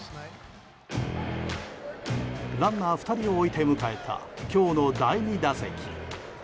ランナー２人を置いて迎えた今日の第２打席。